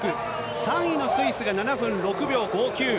３位のスイスが７分６秒５９。